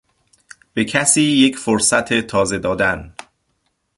به کسی یک فرصت تازه دادن